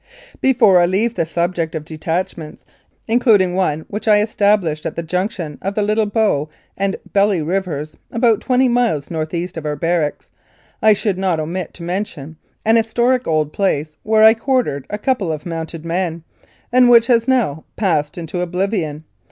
Before I leave the subject of detachments, includ ing one which I established at the junction of the Little Bow and Belly rivers, about twenty miles north east of our barracks, I should not omit to mention an historic old place where I quartered a couple of mounted men, and which has now passed into oblivion.